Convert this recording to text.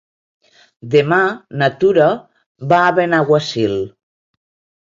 Demà na Tura va a Benaguasil.